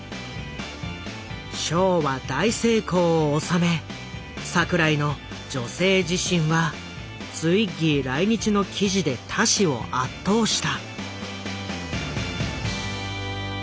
ショーは大成功を収め櫻井の「女性自身」はツイッギー来日の記事で他誌を圧倒した。